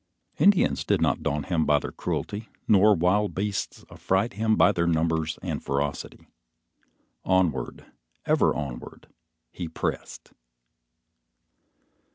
Indians did not daunt him by their cruelty, nor wild beasts affright him by their numbers and ferocity. Onward, ever onward, He pressed.